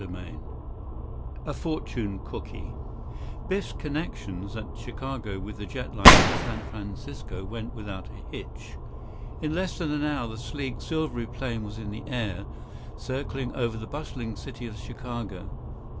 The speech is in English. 22 CHAPTER IV A Fortune Cooky Biff's connections at Chicago with the jetliner for San Francisco went without a hitch. In less than an hour the sleek, silvery plane was in the air, circling over the bustling city of Chicago.